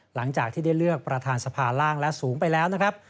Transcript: หลังจากที่ได้เลือกประธานสภาร่างและสูงไปแล้วนะครับ